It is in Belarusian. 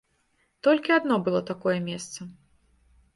Толькі адно было такое месца.